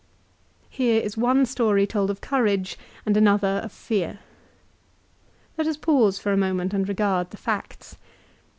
Here is one story told of courage, and another of fear. Let us pause for a moment, and regard the facts.